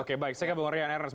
oke baik saya ke bang roryan erans